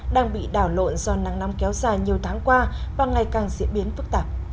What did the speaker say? đang bị đảo lộn do nắng nóng kéo dài nhiều tháng qua và ngày càng diễn biến phức tạp